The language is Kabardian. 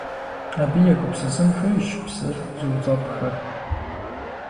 Абы егупсысын хуейщ псыр зыуцӀэпӀхэр.